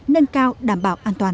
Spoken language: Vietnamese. nâng cao đảm bảo an toàn